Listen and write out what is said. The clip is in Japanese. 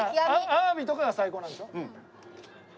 あわびとかが最高なんでしょ？